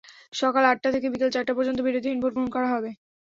সকাল আটটা থেকে বিকেল চারটা পর্যন্ত বিরতিহীন ভোট গ্রহণ করা হবে।